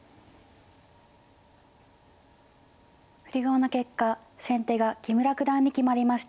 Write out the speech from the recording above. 振り駒の結果先手が木村九段に決まりました。